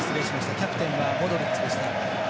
キャプテンはモドリッチでした。